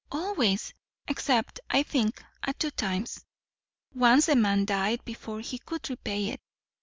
"Always; except, I think, at two times. Once the man died before he could repay it.